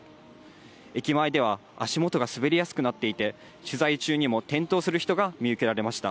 駅前では足元が滑りやすくなって、取材中にも転倒する人が見受けられました。